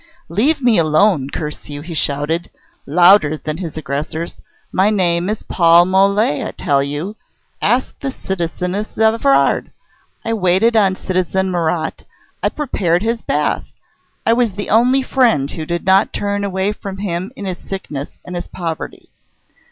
"Leave me alone, curse you!" he shouted, louder than his aggressors. "My name is Paul Mole, I tell you. Ask the citizeness Evrard. I waited on citizen Marat. I prepared his bath. I was the only friend who did not turn away from him in his sickness and his poverty.